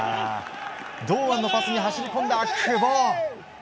堂安のパスに走りこんだ久保。